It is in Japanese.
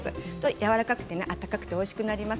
やわらかくて温かくておいしくなります。